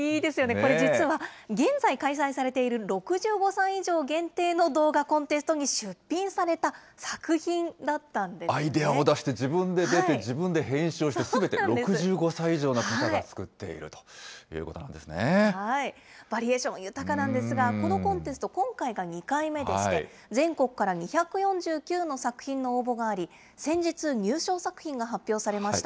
これ実は、現在開催されている６５歳以上限定の動画コンテストに出品されたアイデアを出して、自分で出て、自分で編集をして、すべて６５歳以上の方が作っていバリエーション豊かなんですが、このコンテスト、今回が２回目でして、全国から２４９の作品の応募があり、先日、入賞作品が発表されました。